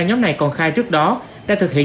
nhóm này còn khai trước đó đã thực hiện